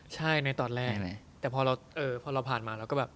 ใช่ในตอนแรกเลยแต่พอเราผ่านมาเราก็แบบ